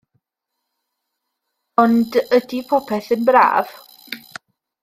O'nd ydi popeth yn braf?